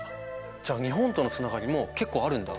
じゃあ日本とのつながりも結構あるんだ。